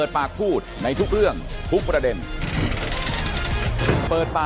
สวัสดีครับ